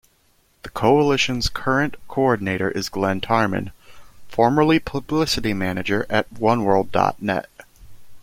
The coalition's current coordinator is Glen Tarman, formerly publicity manager at OneWorld dot net.